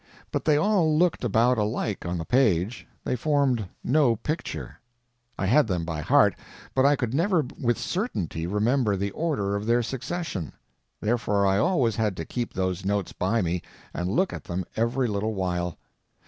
But they all looked about alike on the page; they formed no picture; I had them by heart, but I could never with certainty remember the order of their succession; therefore I always had to keep those notes by me and look at them every little while.